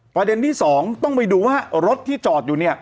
ประเด็นที่สองต้องไปดูว่ารถที่จอดอยู่เนี่ย